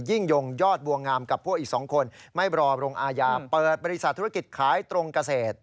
ยิ่งยงยอดบัวงามกับพวกอีก๒คนไม่รอลงอาญาเปิดบริษัทธุรกิจขายตรงเกษตร